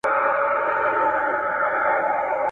چي د چا په غاړه طوق د غلامۍ سي ..